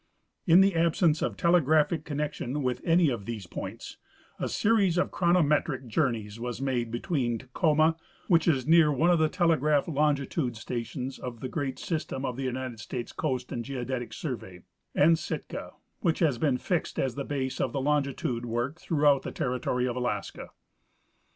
In the absence of telegraphic connection with any of these points, a series of chronometric journeys was made between Tacoma, Avhich is near one of the telegraph longitude stations of the great system of the United States Coast and Geodetic Survey, and Sitka, which has been fixed as the base of the longitude work throughout the territory of Alaska.